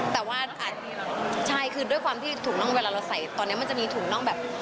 แต่ว่าใช่คือด้วยความที่ถุงน่องเวลาเราใส่ตอนนี้มันจะมีถุงน่องแบบ